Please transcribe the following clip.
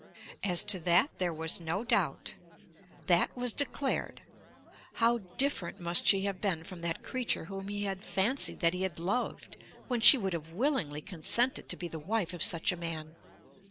As to that there was no doubt. That was declared. How different must she have been from that creature whom he had fancied that he had loved, when she would have willingly consented to be the wife of such a man?